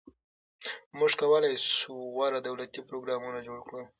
موږ کولای شو غوره دولتي پروګرامونه جوړ کړو.